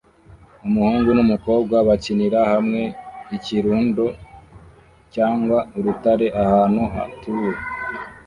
Umuhungu n'umukobwa bakinira hamwe ikirundo cyangwa urutare ahantu hatuwe